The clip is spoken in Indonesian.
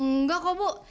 nggak kok bu